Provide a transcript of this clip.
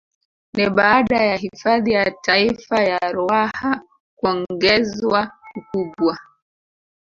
Ni baada ya hifadhi ya Taifa ya Ruaha kuongezwa ukubwa